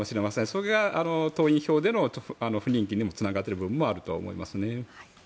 それが党員票での不人気につながっている部分もあるのかと思いますね。